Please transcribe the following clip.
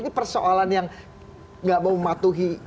ini persoalan yang nggak mau mematuhi